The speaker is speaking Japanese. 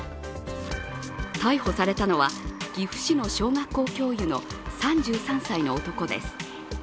逮捕されたのは岐阜市の小学校教諭の３３歳の男です。